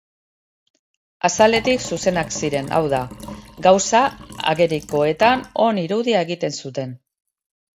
Azaletik zuzenak ziren; hau da, gauza agerikoetan on irudia egiten zuten.